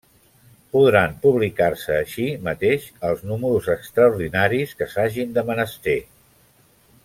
Podran publicar-se, així mateix, els números extraordinaris que s'hagin de menester.